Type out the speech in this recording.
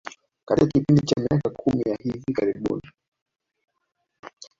Katika kipindi cha miaka kumi ya hivi karibuni